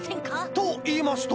といいますと？